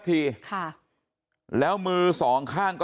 สวัสดีครับคุณผู้ชาย